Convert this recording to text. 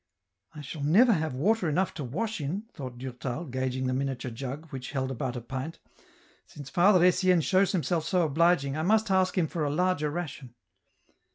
" I shall never have water enough to wash in," thought Durtal, gauging the miniature jug, which held about a pint ;" since Father Etienne shows himself so obliging, I must ask him for a larger ration."